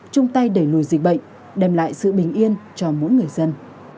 chung tay đẩy lùi dịch bệnh đem lại sự bình yên cho mỗi người dân